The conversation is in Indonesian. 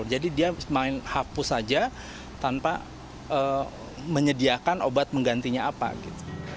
jadi dia main hapus saja tanpa menyediakan obat penggantinya apa gitu